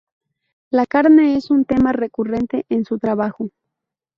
La carne es un tema recurrente en su trabajo.